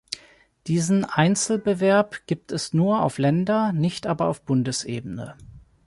Diesen Einzelbewerb gibt es nur auf Länder-, nicht aber auf Bundesebene.